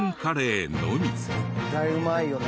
絶対うまいよね。